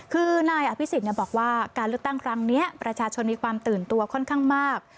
คือนายอภิษฎบอกว่าการเลือกตั้งครั้งนี้ประชาชนมีความตื่นตัวค่อนข้างมาก